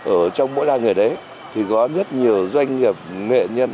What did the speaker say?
ở trong mỗi làng nghề đấy thì có rất nhiều doanh nghiệp nghệ nhân